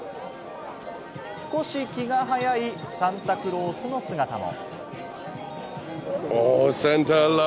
少し気が早いサンタクロースの姿も。